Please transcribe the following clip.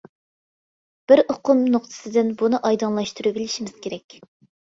بىز ئۇقۇم نۇقتىسىدىن بۇنى ئايدىڭلاشتۇرۇۋېلىشىمىز كېرەك.